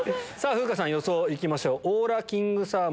風花さん予想いきましょう。